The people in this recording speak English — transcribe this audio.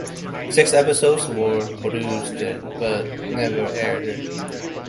Six episodes were produced, but never aired.